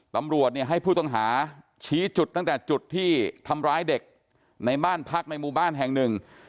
ตำรวจเนี่ยให้ผู้ต้องหาชี้จุดตั้งแต่จุดที่ทำร้ายเด็กในบ้านพักในหมู่บ้านแห่งหนึ่ง